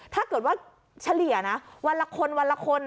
ถ้าเกิดว่าเฉลี่ยนะวันละคนวันละคน